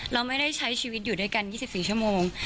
เราไม่ได้ใช้ชีวิตอยู่ด้วยกัน๒๔ชั่วโมง